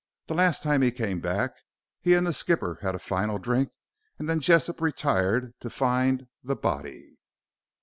The last time he came back, he and the skipper had a final drink, and then Jessop retired to find the body.